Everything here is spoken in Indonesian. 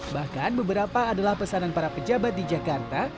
bahkan beberapa adalah pesanan para pejabat di jakarta